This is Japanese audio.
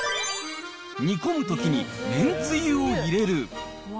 煮込むときに、めんつゆを入れる。